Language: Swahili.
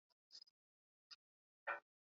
anazungumzia kuhusiana na swala ya libya